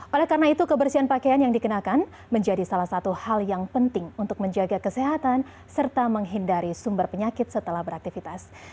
oleh karena itu kebersihan pakaian yang dikenakan menjadi salah satu hal yang penting untuk menjaga kesehatan serta menghindari sumber penyakit setelah beraktivitas